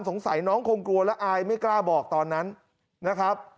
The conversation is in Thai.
สงสัยน้องคงกลัวและอายไม่กล้าบอกตอนนั้นนะครับ